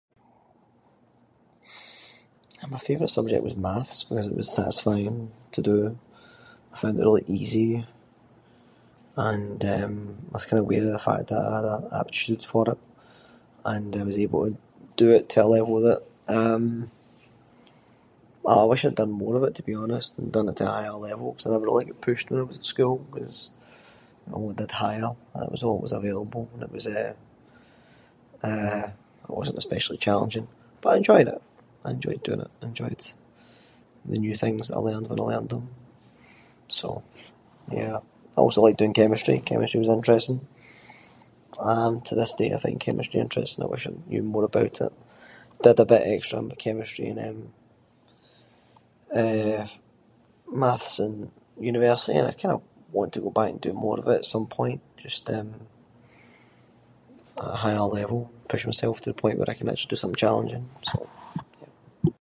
Eh, my favourite subject was maths, ‘cause it was satisfying to do, I found it really easy. And eh, I was kind of aware of the fact that I had a- an aptitude for it, and I was able to do it to a level that, um- I wish I’d done more of it to be honest, and done it to a higher level, ‘cause I never really got pushed when I was at school, ‘cause I only did Higher. And it was always available, and it was, eh, eh- it wasn’t especially challenging. But I enjoyed it, I enjoyed doing it, I enjoyed the new things that I learned when I learned them, so yeah. I also liked doing chemistry, chemistry was interesting, and to this day I find chemistry interesting. I wish I knew more about it. Did a bit of extra with my chemistry and, eh, eh, maths in university and I kind of want to go back and do more of it, at some point, just eh at a higher level. Push myself to the point where I can actually do something challenging, so.